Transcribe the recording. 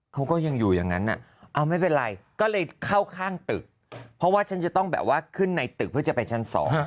เขาก็ยังอยู่อย่างนั้นเอาไม่เป็นไรก็เลยเข้าข้างตึกเพราะว่าฉันจะต้องแบบว่าขึ้นในตึกเพื่อจะไปชั้น๒